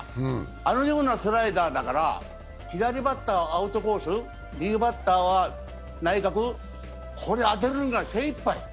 あのようなスライダーだから、左バッターはアウトコース、右バッターは内角、これ当てるのが精いっぱい。